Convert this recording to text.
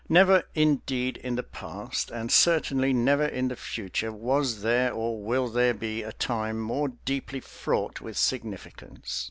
Never indeed in the past, and certainly never in the future, was there or will there be a time more deeply fraught with significance.